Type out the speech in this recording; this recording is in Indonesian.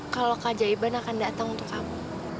kalau keajaiban akan datang untuk kamu